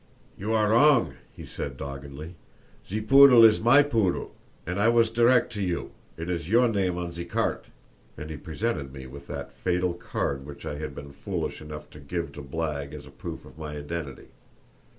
"You are wrong," he said, doggedly; "ze poodle is my poodle! And I was direct to you—it is your name on ze carte!" And he presented me with that fatal card which I had been foolish enough to give to Blagg as a proof of my identity.